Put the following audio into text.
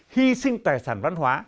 hy sinh tài sản văn hóa